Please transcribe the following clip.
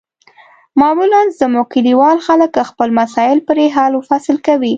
معمولا زموږ کلیوال خلک خپل مسایل پرې حل و فصل کوي.